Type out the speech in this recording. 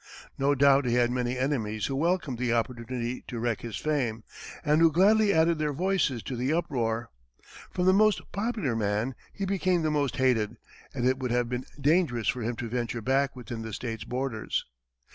No doubt he had many enemies who welcomed the opportunity to wreck his fame, and who gladly added their voices to the uproar. From the most popular man, he became the most hated, and it would have been dangerous for him to venture back within the state's borders.